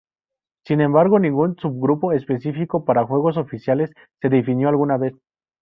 Sin embargo, ningún subgrupo específico para juegos oficiales se definió alguna vez.